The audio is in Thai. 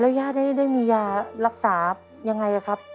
ย่าได้มียารักษายังไงครับ